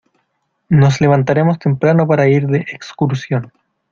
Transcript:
Nos levantaremos temprano para ir de excursión.